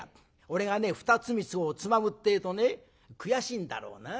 俺がね２つ３つつまむってえとね悔しいんだろうな。